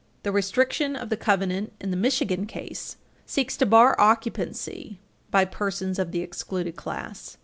The restriction of the covenant in the Michigan case seeks to bar occupancy by persons of the excluded class.